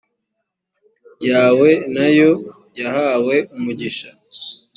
yawe na yo yahawe umugisha